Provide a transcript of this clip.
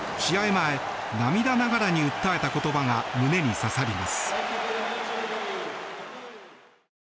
前、涙ながらに訴えた言葉が胸に刺さります。